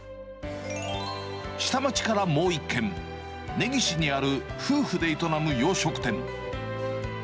下町からもう１軒、根岸にある夫婦で営む洋食店。